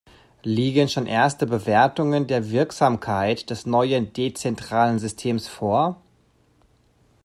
Liegen schon erste Bewertungen der Wirksamkeit des neuen dezentralen Systems vor?